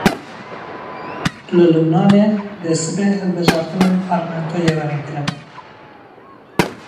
Li Lubnanê dê sibê hilbijartinên parlamentoyê werin kirin.